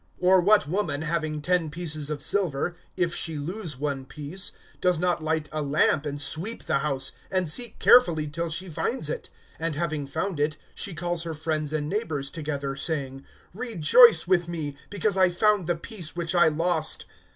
(8)Or what woman having ten pieces of silver, if she lose one piece, does not light a lamp, and sweep the house, and seek carefully till she finds it? (9)And having found it, she calls her friends and neighbors together, saying: Rejoice with me; because I found the piece which I lost.